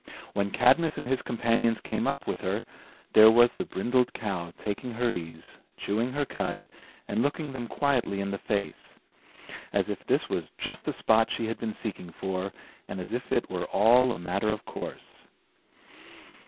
When Cadmus and his companions came up with her, there was the brindled cow taking her ease, chewing her cud, and looking them quietly in the face; as if this was just the spot she had been seeking for, and as if it were all a matter of course.